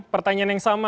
pertanyaan yang sama